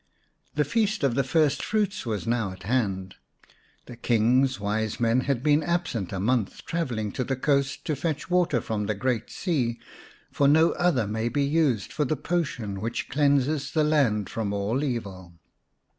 The feast of the first fruits was now at hand. The King's wise men had been absent a month travelling to the coast to fetch water from the great sea, for no other may be used for the potion which cleanses the land from all evil.